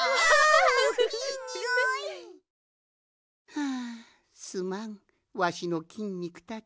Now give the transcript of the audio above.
はあすまんわしのきんにくたち。